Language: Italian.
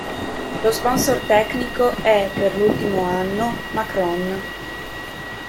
Lo sponsor tecnico è, per l'ultimo anno, Macron.